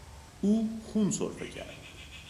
او خون سرفه کرد.